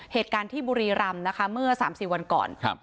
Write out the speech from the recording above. เหตุการณ์ที่บุรีรำนะคะเมื่อ๓๔วันก่อน